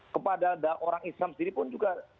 kepada orang islam sendiri pun juga